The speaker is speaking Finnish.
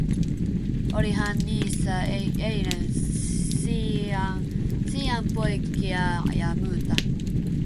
Olihan niissä eilen siianpoikia ja muuta.